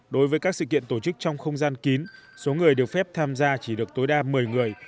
đối với các sự kiện tổ chức trong không gian kín số người được phép tham gia chỉ được tối đa một mươi người